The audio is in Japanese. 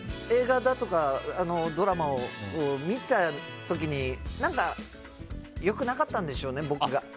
映画だとかドラマを見た時に良くなかったんでしょうね、僕が。